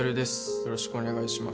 よろしくお願いします